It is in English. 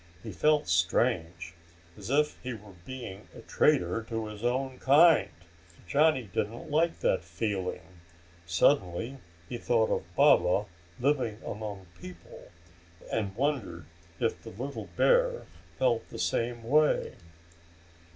He felt strange, as if he were being a traitor to his own kind. Johnny didn't like that feeling. Suddenly he thought of Baba living among people and wondered if the little bear felt the same way.